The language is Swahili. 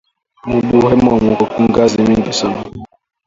Mubuhemba muko ngazi mingi sana